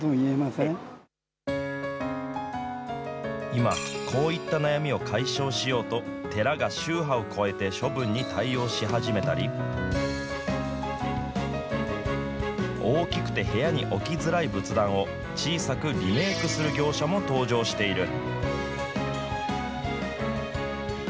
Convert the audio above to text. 今、こういった悩みを解消しようと、寺が宗派を超えて処分に対応し始めたり、大きくて部屋に置きづらい仏壇を、小さくリメークする業者も登場している。